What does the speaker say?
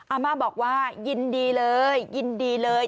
อาม่าบอกว่ายินดีเลยยินดีเลย